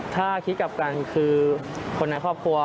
ถ้าคิดกลับกันคือคนในครอบครัว